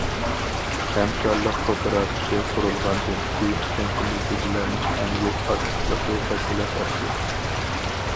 ھەمكارلىق كوپىراتىپى قۇرۇلغاندىن كېيىن كەنتىمىزدىكىلەرنىڭ ئەمگەك ئاكتىپلىقى ھەسسىلەپ ئاشتى.